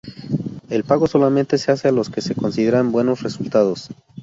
El pago solamente se hace a los que se consideran buenos resultados.